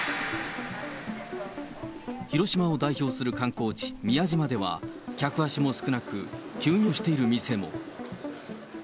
広島を代表する観光地、宮島では、客足も少なく、休業している店も。